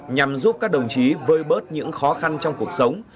nhằm giúp các đồng chí vơi bớt những khó khăn trong cuộc sống